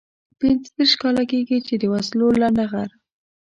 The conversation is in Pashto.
پنځه دېرش کاله کېږي چې د وسلو لنډه غر.